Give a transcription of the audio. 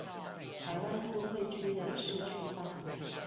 台灣都會區的市區道路